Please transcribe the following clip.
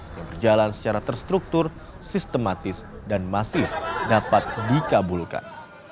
yang berjalan secara terstruktur sistematis dan masif dapat dikabulkan